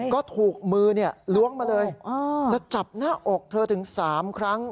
ก็ถูกมือล้วงมาเลยจะจับหน้าอกเธอถึง๓ครั้ง